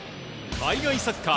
海外サッカー。